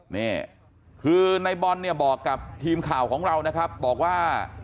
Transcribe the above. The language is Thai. นี่คือในบอลเนี่ยบอกกับทีมข่าวของเรานะครับบอกว่า